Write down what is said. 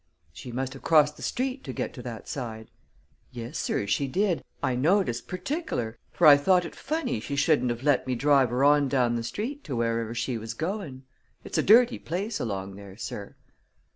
"She must have crossed the street to get to that side." "Yes, sir; she did. I noticed pertic'lar, for I thought it funny she shouldn't 've let me drive her on down th' street to wherever she was goin'. It's a dirty place along there, sir."